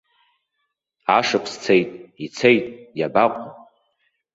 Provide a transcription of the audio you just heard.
Ашықәс цеит, ицеит, иабаҟоу?